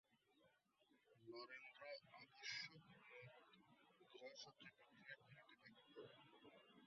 নরেন্দ্র আবশ্যকমত গৃহসজ্জা বিক্রয় করিতে লাগিল।